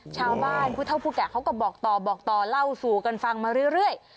ชาวบ้านพุทธพุกกะเขาก็บอกต่อเล่าสู่กันฟังมาเรื่อย